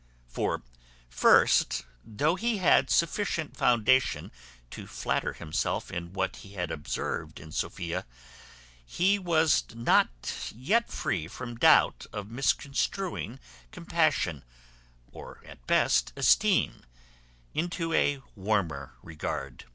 For first, though he had sufficient foundation to flatter himself in what he had observed in Sophia, he was not yet free from doubt of misconstruing compassion, or at best, esteem, into a warmer regard.